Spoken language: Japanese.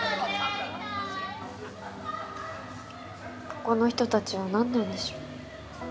ここの人たちは何なんでしょう。